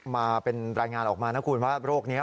มาเป็นรายงานออกมานะคุณว่าโรคนี้